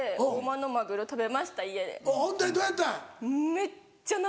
めっちゃ生！